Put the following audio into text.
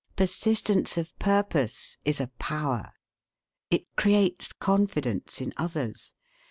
Persistency of purpose is a power. It creates confidence in others.